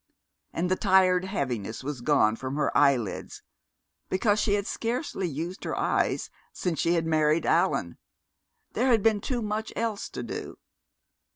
And the tired heaviness was gone from her eyelids, because she had scarcely used her eyes since she had married Allan there had been too much else to do!